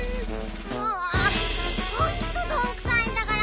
もうほんとどんくさいんだから。